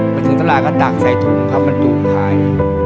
ไปถึงตลาดกระดักใส่ถุงครับมันถุงหาย